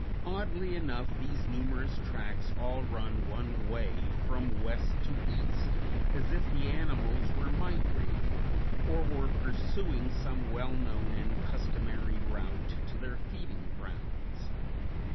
Oddly enough these numerous tracks all run one way, from west to east, as if the animals were migrating, or were pursuing some well known and customary route to their feeding grounds.